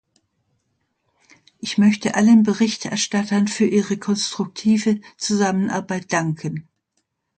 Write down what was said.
Ich möchte allen Berichterstattern für ihre konstruktive Zusammenarbeit danken.